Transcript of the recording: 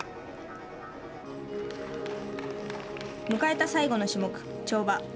迎えた最後の種目、跳馬。